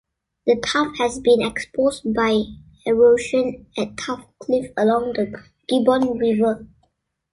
The tuff has been exposed by erosion at Tuff Cliff along the Gibbon River.